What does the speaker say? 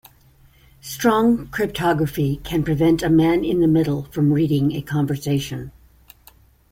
Strong cryptography can prevent a man in the middle from reading a conversation.